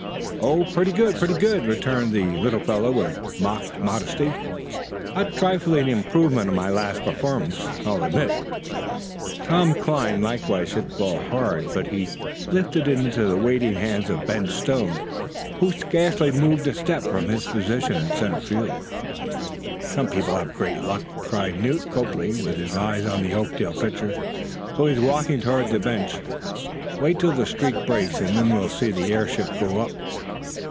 "Oh, pretty good, pretty good," returned the little fellow, with mock modesty. "A trifling improvement on my last performance, I'll admit." Tom Cline likewise hit the ball hard, but he lifted it into the waiting hands of Ben Stone, who scarcely moved a step from his position in center field. "Some people have great luck," cried Newt Copley, with his eyes on the Oakdale pitcher, who was walking toward the bench. "Wait till the streak breaks, and then we'll see the airship go up."